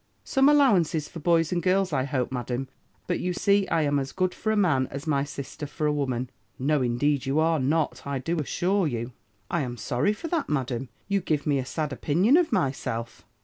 "'Some allowances for boys and girls, I hope, Madam; but you see I am as good for a man as my sister for a woman.' "'No indeed, you are not, I do assure you.' "'I am sorry for that. Madam; you give me a sad opinion of myself.'"